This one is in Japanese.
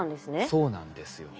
そうなんですよね。